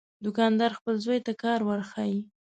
دوکاندار خپل زوی ته کار ورښيي.